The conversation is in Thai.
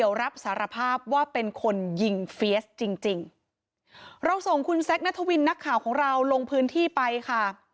ว่าเป็นคนยิงเฟียสจริงเราส่งคุณแซคณทวินนักข่าวของเราลงพื้นที่ไปค่ะ